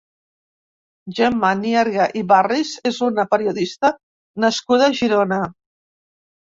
Gemma Nierga i Barris és una periodista nascuda a Girona.